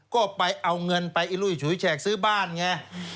ก็ไปเอาเงินไปอีลุยฉุยแฉกซื้อบ้านไง